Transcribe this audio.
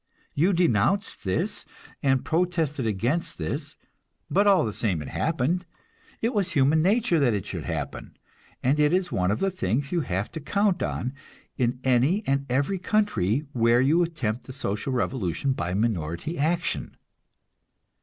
You denounced this, and protested against this, but all the same it happened; it was human nature that it should happen, and it is one of the things you have to count on, in any and every country where you attempt the social revolution by minority action.